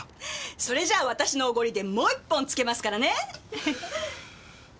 それじゃあ私のおごりでもう１本つけますからね！